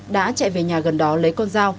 đã chạy về nhà gần đó lấy con dao